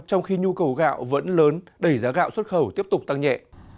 trong khi nhu cầu gạo vẫn lớn đẩy giá gạo xuất khẩu tiếp tục tăng nhẹ